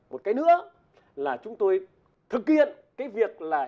một cái nữa là chúng tôi thực hiện cái việc là